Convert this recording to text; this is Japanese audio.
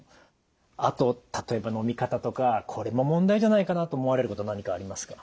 あと例えばのみ方とかこれも問題じゃないかなと思われること何かありますか？